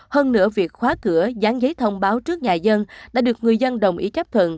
hơn nữa việc khóa cửa dán giấy thông báo trước nhà dân đã được người dân đồng ý chấp thuận